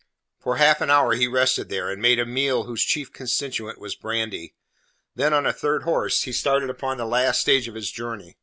For half an hour he rested there, and made a meal whose chief constituent was brandy. Then on a third horse he started upon the last stage of his journey.